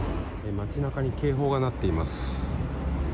街中に警報が鳴っています。